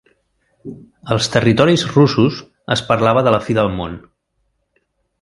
Als territoris russos es parlava de la fi del món.